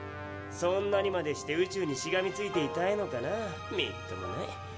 そんなにまでして宇宙にしがみついていたいのかなみっともない。